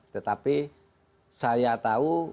tetapi saya tahu